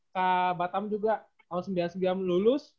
kak batam juga tahun sembilan puluh sembilan lulus